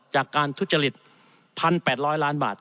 จากการทุจริต๑๘๐๐ล้านบาท